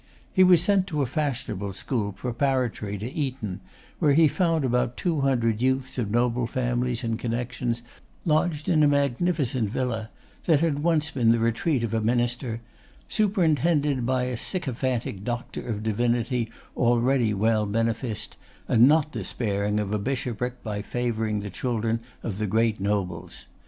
He was sent to a fashionable school preparatory to Eton, where he found about two hundred youths of noble families and connections, lodged in a magnificent villa, that had once been the retreat of a minister, superintended by a sycophantic Doctor of Divinity, already well beneficed, and not despairing of a bishopric by favouring the children of the great nobles.